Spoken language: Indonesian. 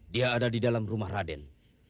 dia ada di dalam rumah raden